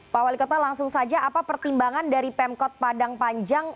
pak wali kota langsung saja apa pertimbangan dari pemkot padang panjang